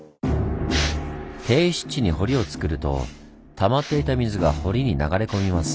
低湿地に堀をつくるとたまっていた水が堀に流れ込みます。